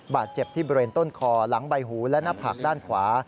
บาดเจ็บที่บริเวณต้นคอหลังใบหูและหน้าผากด้านขวา